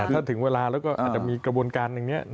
ถ้าถึงเวลาแล้วก็อาจจะมีกระบวนการอย่างนี้